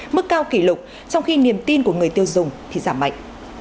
mức cao kỷ lục trong khi niềm tin của người tiêu dùng thì giảm mạnh